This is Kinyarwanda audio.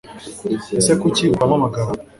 ese kuki utazampamagara